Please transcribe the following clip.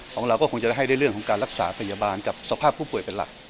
ของเราก็คงจะให้ได้เรื่องของการรักษาพยาบาลกับสภาพผู้ป่วยเป็นหลัก